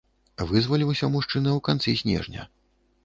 Вызваліўся мужчына ў канцы снежня.